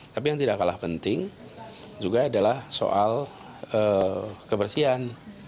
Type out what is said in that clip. tapi yang tidak kalah penting juga adalah soal kebersihan